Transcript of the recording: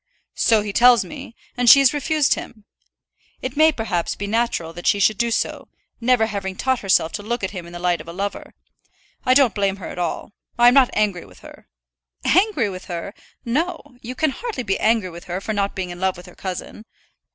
"So he tells me; and she has refused him. It may perhaps be natural that she should do so, never having taught herself to look at him in the light of a lover. I don't blame her at all. I am not angry with her." "Angry with her! No. You can hardly be angry with her for not being in love with her cousin."